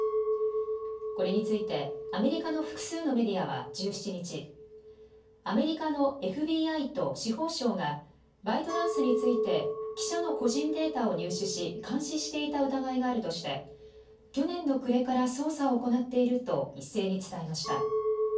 これについてアメリカの複数のメディアは１７日、アメリカのＦＢＩと司法省がバイトダンスについて記者の個人データを入手し監視していた疑いがあるとして去年の暮れから捜査を行っていると一斉に伝えました。